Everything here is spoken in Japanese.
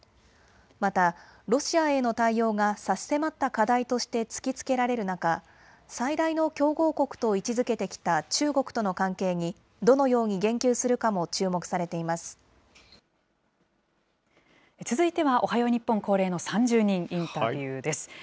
またロシアへの対応が差し迫った課題として突きつけられる中、最大の競合国と位置づけてきた中国との関係に、どのように言及する続いてはおはよう日本恒例の３０人インタビューです。